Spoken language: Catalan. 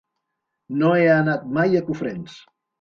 No he anat mai a Cofrents.